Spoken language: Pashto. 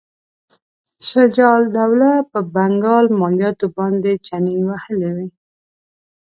شجاع الدوله په بنګال مالیاتو باندې چنې وهلې وې.